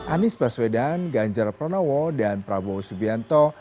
anies baswedan ganjar pranowo dan prabowo subianto